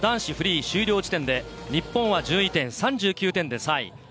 昨日の男子フリー終了時点で日本は順位点、３９点で３位。